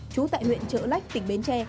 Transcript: chú tại huyện trở lách tỉnh bến tre